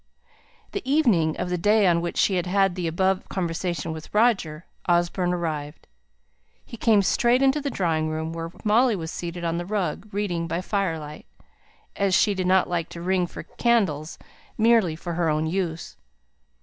The evening of the day on which she had had the above conversation with Roger, Osborne arrived. He came straight into the drawing room, where Molly was seated on the rug, reading by firelight, as she did not like to ring for candles merely for her own use.